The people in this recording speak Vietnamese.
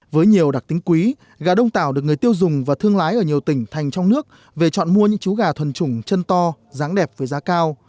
với nhiều đặc tính quý gà đông tảo được người tiêu dùng và thương lái ở nhiều tỉnh thành trong nước về chọn mua những chú gà thuần trùng chân to dáng đẹp với giá cao